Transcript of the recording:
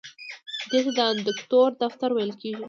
دې ته د اندیکاتور دفتر ویل کیږي.